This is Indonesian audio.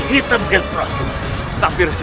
kau tidak akan mendapat balasan lebih dari ini